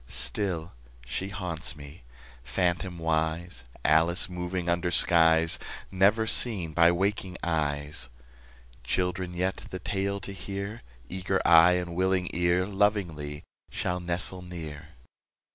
Still she haunts me, phantomwise, Alice moving under skies Never seen by waking eyes. Children yet, the tale to hear, Eager eye and willing ear, Lovingly shall nestle near.